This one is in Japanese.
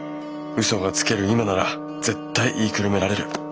嘘がつける今なら絶対言いくるめられる。